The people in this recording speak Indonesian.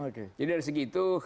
jadi dari segi itu